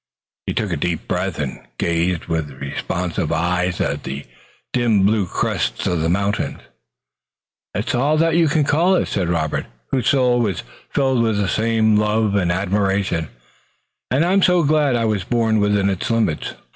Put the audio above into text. He took a deep breath and gazed with responsive eyes at the dim blue crests of the mountains. "It's all that you call it," said Robert, whose soul was filled with the same love and admiration, "and I'm glad I was born within its limits.